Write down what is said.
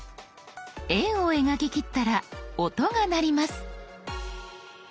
円を描ききったら音が鳴ります。